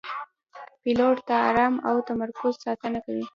پیلوټ د آرام او تمرکز ساتنه کوي.